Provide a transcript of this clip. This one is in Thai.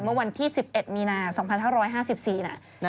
เมื่อวันที่๑๑มีนา๒๕๕๔นะ